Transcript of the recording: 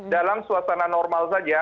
dalam suasana normal saja